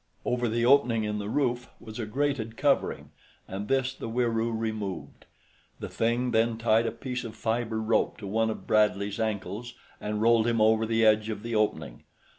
Over the opening in the roof was a grated covering, and this the Wieroo removed. The thing then tied a piece of fiber rope to one of Bradley's ankles and rolled him over the edge of the opening.